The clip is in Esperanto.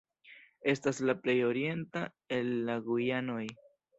Estas la plej orienta el la Gujanoj.